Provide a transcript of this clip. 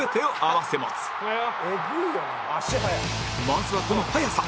まずはこの速さ